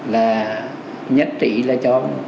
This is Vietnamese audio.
là nhất trị là cho